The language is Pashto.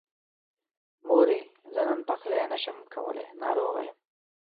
مورې! زه نن پخلی نشمه کولی، ناروغه يم.